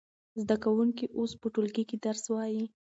زده کوونکي اوس په ټولګي کې درس وايي.